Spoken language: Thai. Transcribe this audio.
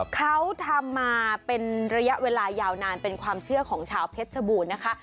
เขาทำมาเป็นระยะเวลายาวนานเป็นความเชื่อของชาวเพชรชบูรณ์นะคะ